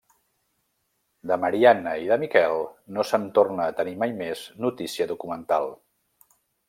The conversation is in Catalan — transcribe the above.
De Marianna i de Miquel, no se'n torna a tenir mai més notícia documental.